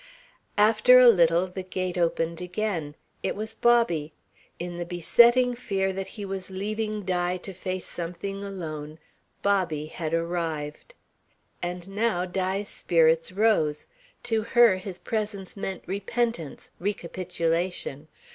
After a little the gate opened again. It was Bobby. In the besetting fear that he was leaving Di to face something alone, Bobby had arrived. And now Di's spirits rose. To her his presence meant repentance, recapitulation.